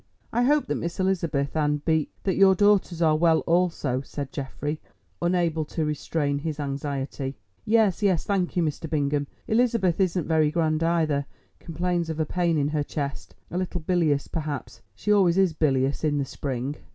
"I hope that Miss Elizabeth and Be—that your daughters are well also," said Geoffrey, unable to restrain his anxiety. "Yes, yes, thank you, Mr. Bingham. Elizabeth isn't very grand either, complains of a pain in her chest, a little bilious perhaps—she always is bilious in the spring."